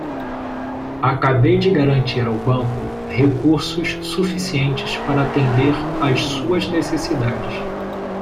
Acabei de garantir ao banco recursos suficientes para atender às suas necessidades.